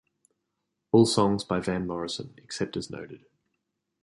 All songs by Van Morrison except as noted.